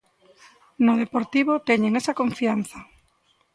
No Deportivo teñen esa confianza.